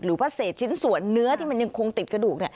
หรือว่าเศษชิ้นส่วนเนื้อที่มันยังคงติดกระดูก